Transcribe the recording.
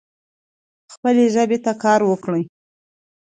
خپلي ژبي ته کار وکړئ.